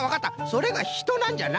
それがひとなんじゃな。